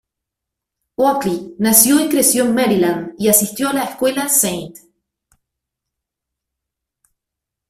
Oakley nació y creció en Maryland, y asistió a la escuela "St.